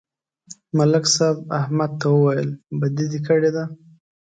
ملک صاحب احمد ته وویل: بدي دې کړې ده